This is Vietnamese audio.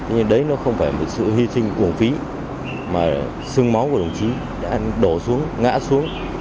nhưng đấy nó không phải một sự hy sinh uổng phí mà sưng máu của đồng chí đã đổ xuống ngã xuống